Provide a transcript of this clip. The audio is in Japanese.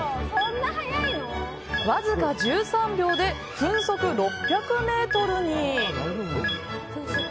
わずか１３秒で分速６００メートルに。